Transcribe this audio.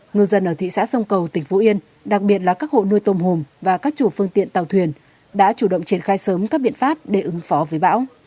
ngư dân ở thị xã sông cầu tỉnh phú yên đặc biệt là các hộ nuôi tôm hùm và các chủ phương tiện tàu thuyền đã chủ động triển khai sớm các biện pháp để ứng phó với bão